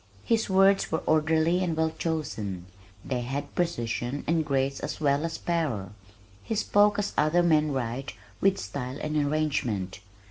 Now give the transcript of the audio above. His words were orderly and well chosen. They had precision and grace as well as power. He spoke as other men write, with style and arrangement.